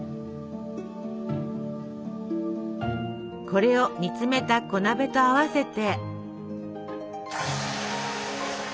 これを煮詰めた小鍋と合わせて。